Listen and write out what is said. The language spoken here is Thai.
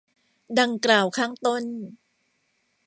ดังกล่าวข้างต้น